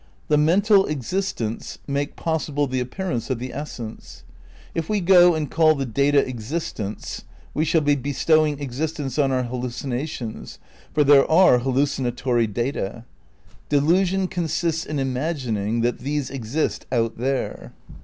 The mental existents "make possible the appearance of the essence. " If we go and call the data existents we shall be bestowing existence on our hal lucinations, for there are hallucinatory data. Delusion consists in imagining that these exist "out there."